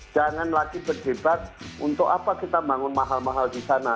jangan lagi berdebat untuk apa kita bangun mahal mahal di sana